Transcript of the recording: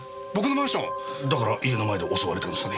だから家の前で襲われたんですかね？